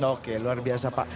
oke luar biasa pak